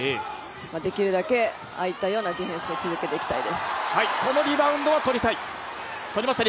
できるだけああいったようなディフェンスを続けていきたい。